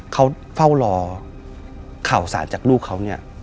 เขาเฝ้ารอข่าวสารจากลูกเขาเนี่ย